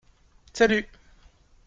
Salut !